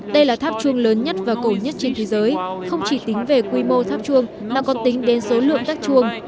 đây là tháp chuông lớn nhất và cổ nhất trên thế giới không chỉ tính về quy mô tháp chuông mà còn tính đến số lượng các chuông